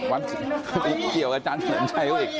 วัดที่เกี่ยวกับอาจารย์เสนอใจอีก